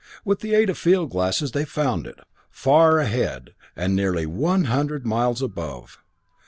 With the aid of field glasses they found it, far ahead, and nearly one hundred miles above.